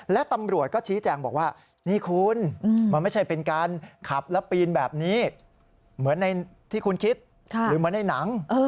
และตำรวจก็ชี้แจงบอกว่านี่คุณมันไม่ใช่เป็นการขับแล้วปีนแบบนี้เหมือนในที่คุณคิดหรือเหมือนในหนัง